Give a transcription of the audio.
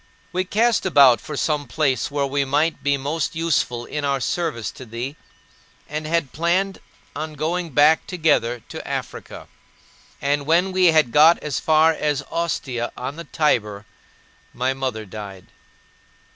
We cast about for some place where we might be most useful in our service to thee, and had planned on going back together to Africa. And when we had got as far as Ostia on the Tiber, my mother died.